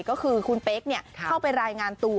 ก็คือคุณเป๊กเข้าไปรายงานตัว